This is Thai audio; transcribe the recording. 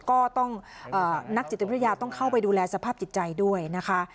ก็ต้องนักจิตวิทยาต้องเข้าไปดูแลสภาพจิตใจด้วยนะคะ